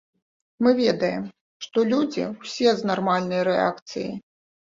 Мы ведаем, што людзі ўсе з нармальнай рэакцыяй.